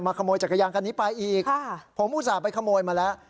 ขโมยจักรยานคันนี้ไปอีกผมอุตส่าห์ไปขโมยมาแล้ว